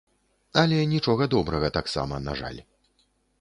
Але нічога добрага таксама, на жаль.